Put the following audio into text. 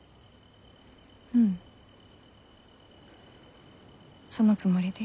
うんそのつもりでいる。